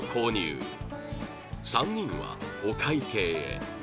３人はお会計へ